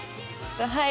はい。